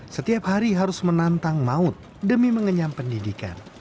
setiap hari harus menantang maut demi mengenyam pendidikan